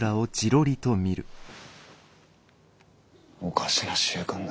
おかしな習慣だ。